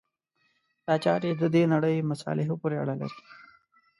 دا چارې د دې نړۍ مصالحو پورې اړه لري.